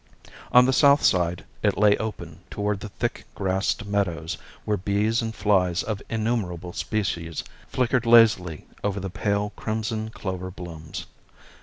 On the south side it lay open toward the thick grassed meadows, where bees and flies of innumerable species flickered lazily over the pale crimson clover blooms.